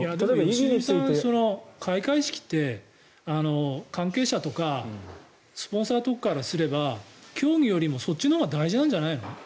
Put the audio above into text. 開会式って関係者とかスポンサーからすれば競技よりもそっちのほうが大事なんじゃないの？